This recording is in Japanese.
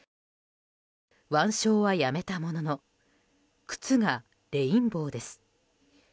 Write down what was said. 腕章はやめたものの靴がレインボーです。